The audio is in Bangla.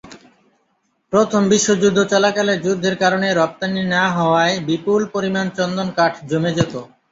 প্রথম বিশ্বযুদ্ধ চলাকালে যুদ্ধের কারণে রপ্তানি না-হওয়ায় বিপুল পরিমাণ চন্দন কাঠ জমে যেত।